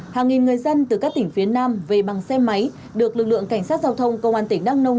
hàng nghìn người dân từ các tỉnh phía nam về bằng xe máy được lực lượng cảnh sát giao thông công an tỉnh đắk nông